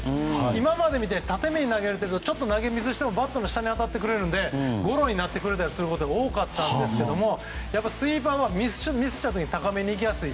今までみたいに縦だとちょっと投げミスしてもバットの下に当たってくれるのでゴロになることが多かったんですけどスイーパーはミスった時に高めに行きやすい。